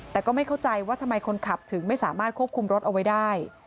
แต่ก็ไม่เข้าใจว่าทำไมคนขับถึงไม่สามารถควบคุมรถเอาไว้ได้